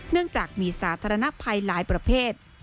เนื่องจากมีสาธารณภัยหลายประเภท